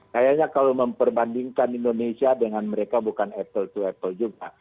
kayaknya kalau memperbandingkan indonesia dengan mereka bukan apple to apple juga